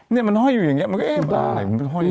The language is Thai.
เนี่ยมันห้อยอยู่อย่างนี้มันก็เอ๊ะ